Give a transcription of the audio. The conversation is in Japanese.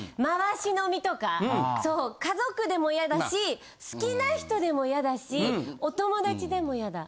家族でも嫌だし好きな人でも嫌だしお友達でも嫌だ。